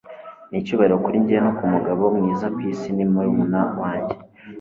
nicyubahiro kuri njye ko umugabo mwiza kwisi ni murumuna wanjye